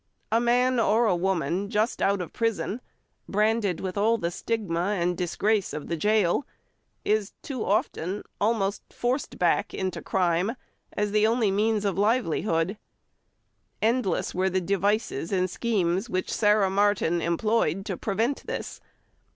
A man or a woman just out of prison, branded with all the stigma and disgrace of the gaol, is too often almost forced back into crime as the only means of livelihood. Endless were the devices and schemes which Sarah Martin employed to prevent this.